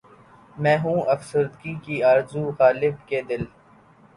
میں ہوں اور افسردگی کی آرزو غالبؔ کہ دل